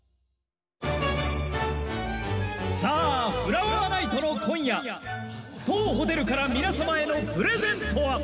さあフラワーナイトのこんやとうホテルからみなさまへのプレゼントは！